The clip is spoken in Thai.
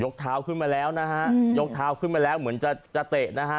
เท้าขึ้นมาแล้วนะฮะยกเท้าขึ้นมาแล้วเหมือนจะจะเตะนะฮะ